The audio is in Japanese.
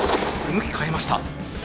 向き変えました。